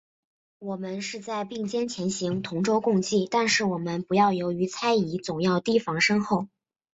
我们是在并肩前行，同舟共济，但是我们不要由于猜疑，总要提防身后。